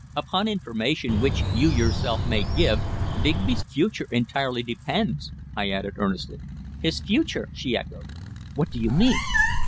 Upon information which you yourself may give, Digby's future entirely depends," I added earnestly. "His future!" she echoed. "What do you mean?"